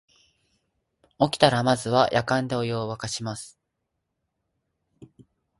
起きたらまずはやかんでお湯をわかします